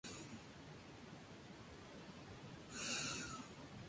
Los fundamentos de la condena fueron los que abajo se señalan.